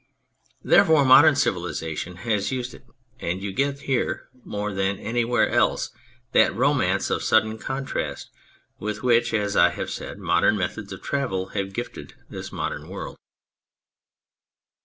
Therefore, modern civilisation has used it, and you get here more than anywhere else that romance of sudden contrast with which, as I have said, modern methods of travel have gifted the modern world.